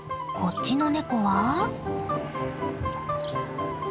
こっちのネコは。